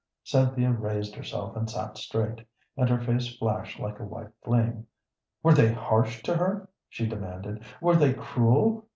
Cynthia raised herself and sat straight, and her face flashed like a white flame. "Were they harsh to her?" she demanded. "Were they cruel?